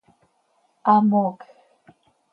Hamoocj.